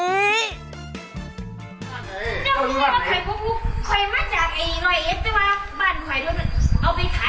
นี่ควันอีกแล้ว